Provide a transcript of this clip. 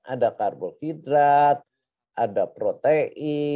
ada karbohidrat ada protein ada lemak ada vitamin mineral